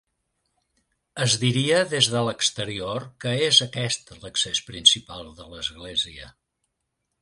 Es diria, des de l'exterior, que és aquest l'accés principal de l'església.